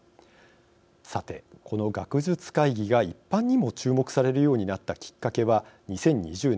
さて、この学術会議が一般にも注目されるようになったきっかけは２０２０年。